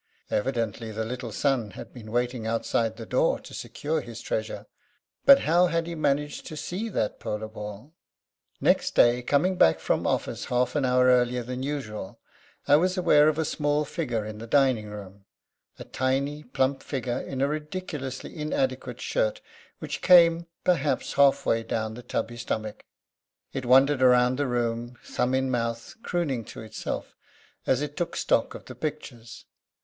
Evidently the little son had been waiting outside the door to secure his treasure. But how had he managed to see that polo ball? Next day, coming back from office half an hour earlier than usual, I was aware of a small figure in the dining room a tiny, plump figure in a ridiculously inadequate shirt which came, perhaps, halfway down the tubby stomach. It wandered round the room, thumb in mouth, crooning to itself as it took stock of the pictures.